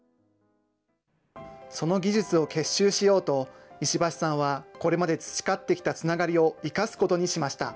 その技術を結集しようと、石橋さんは、これまで培ってきたつながりを生かすことにしました。